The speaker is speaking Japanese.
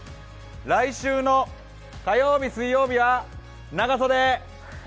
来週の火曜日、水曜日は長袖。